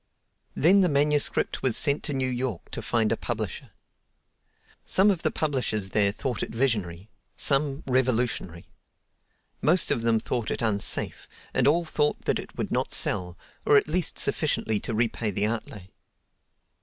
Then the manuscript was sent to New York to find a publisher. Some of the publishers there thought it visionary; some, revolutionary. Most of them thought it unsafe, and all thought that it would not sell, or at least sufficiently to repay the outlay.